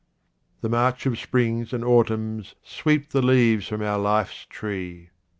The march of springs and autumns sweep the leaves from our life's tree.